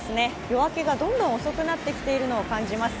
夜明けがどんどん遅くなってきているのを感じます。